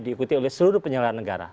diikuti oleh seluruh penyelenggara negara